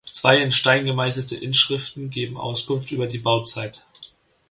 Zwei in Stein gemeißelte Inschriften geben Auskunft über die Bauzeit.